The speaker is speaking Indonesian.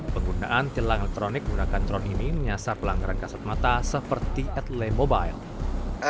penggunaan tilang elektronik menggunakan drone ini menyasar pelanggaran kasat mata seperti etle mobile